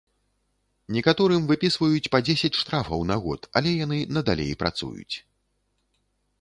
Некаторым выпісваюць па дзесяць штрафаў на год, але яны надалей працуюць.